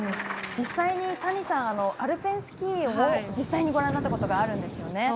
実際に谷さん、アルペンスキーを実際にご覧になったことがあるんですよね。